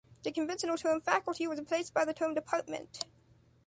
The conventional term faculty was replaced by the term department.